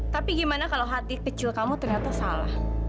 tapi gimana kalau hati kecil kamu ternyata salah